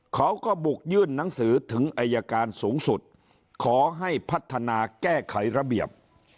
เขาก็บุกยื่นหนังสือถึงอายการสูงสุดขอให้พัฒนาแก้ไขระเบียบ